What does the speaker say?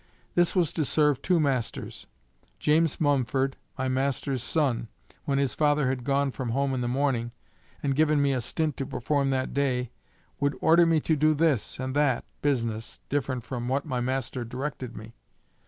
This was to serve two masters. James Mumford, my master's son, when his father had gone from home in the morning, and given me a stint to perform that day, would order me to do this and that business different from what my master directed me.